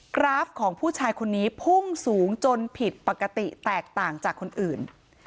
กราฟของผู้ชายคนนี้พุ่งสูงจนผิดปกติแตกต่างจากคนอื่น